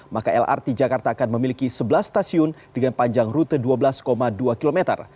maka lrt jakarta akan memiliki sebelas stasiun dengan panjang rute dua belas dua km